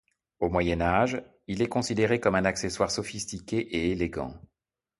Au Moyen Âge, il est considéré comme un accessoire sophistiqué et élégant.